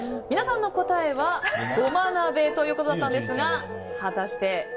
皆さんの答えは胡麻鍋ということだったんですが果たして